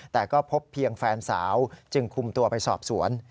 แต่ก็พบเพียงแฟนสาวจึงคุมตัวไปสอบสวน